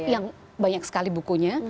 yang banyak sekali bukunya